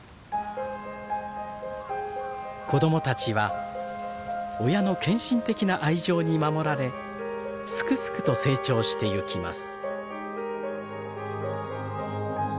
子供たちは親の献身的な愛情に守られスクスクと成長してゆきます。